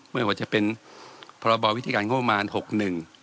ไม่ว่าจะเป็นพรบวิธีการงบมารหกหนึ่ง